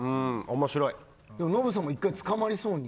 ノブさんも１回捕まりそうに。